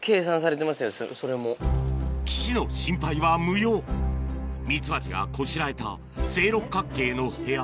岸の心配は無用ミツバチがこしらえた正六角形の部屋